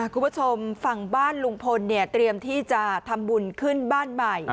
คุณผู้ชมฝั่งบ้านลุงพลเนี่ยเตรียมที่จะทำบุญขึ้นบ้านใหม่